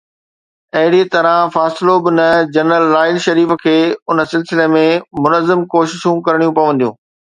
اهڙي طرح فاصلو به نه، جنرل راحيل شريف کي ان سلسلي ۾ منظم ڪوششون ڪرڻيون پونديون.